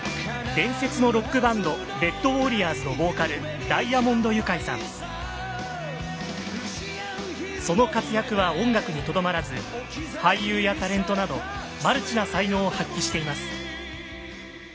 伝説のロックバンドレッドウォーリアーズのボーカルその活躍は音楽にとどまらず俳優やタレントなどマルチな才能を発揮しています。